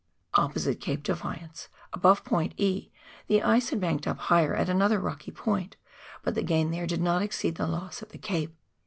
Opposite Cape Defiance, above point E, the ice had banked up higher at another rocky point, but the gain there did not exceed the loss at the cape.